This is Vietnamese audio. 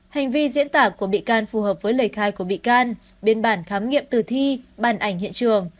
hành vi diễn tả của bị can phù hợp với lời khai của bị can biên bản khám nghiệm tử thi bàn ảnh hiện trường